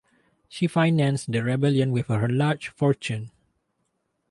She financed the rebellion with her large fortune.